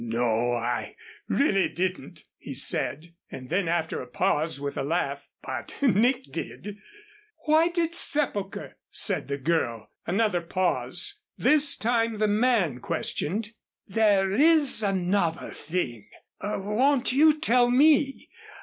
"No, I really didn't," he said, and then, after a pause, with a laugh: "but Nick did." "Whited sepulcher!" said the girl. Another pause. This time the man questioned: "There is another thing won't you tell me?